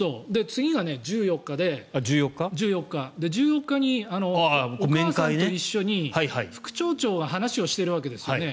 次が１４日で１４日にお母さんと一緒に副町長が話をしてるわけですよね。